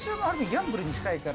ギャンブルに近いから。